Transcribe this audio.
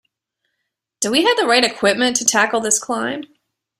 Do we have the right equipment to tackle this climb?